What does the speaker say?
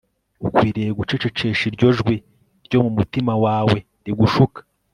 ukwiriye gucecekesha iryo jwi ryo mu mutima wawe rigushuka